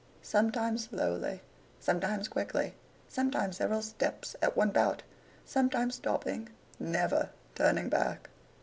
Sometimes slowly, sometimes quickly, sometimes several steps at one bout, sometimes stopping, never turning back.